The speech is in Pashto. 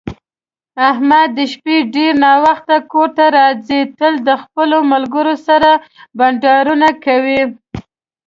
احمد د شپې ډېر ناوخته کورته راځي، تل د خپلو ملگرو سره بنډارونه کوي.